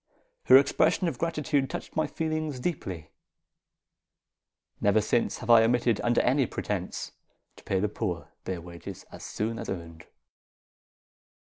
Her expressions of gratitude touched my feelings deeply. Never since have I omitted, under any pretence, to pay the poor their wages as soon as earned.